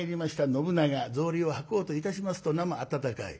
信長草履を履こうといたしますとなま暖かい。